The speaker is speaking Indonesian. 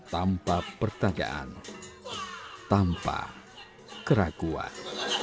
tanpa pertagaan tanpa keraguan